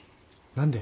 何で？